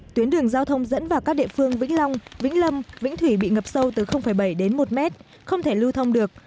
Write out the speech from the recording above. tuyến đường giao thông dẫn vào các địa phương vĩnh long vĩnh lâm vĩnh thủy bị ngập sâu từ bảy đến một mét không thể lưu thông được